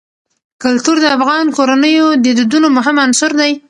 کلتور د افغان کورنیو د دودونو مهم عنصر دی.